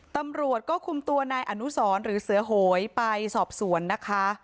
ตำรวจก็คุมตัวนายอนุสรหรือเสือโหยไปสอบสวนนะคะ